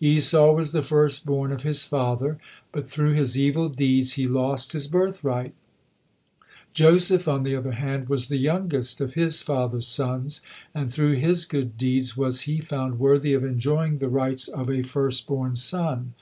Esau was the firstborn of his father, but through his evil deeds he lost his birthright; Joseph, on the other hand, was the youngest of his father's sons, and through his good deeds was he found worthy of enjoying the rights of a firstborn son.